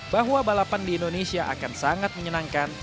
bahwa balapan di indonesia akan sangat menyenangkan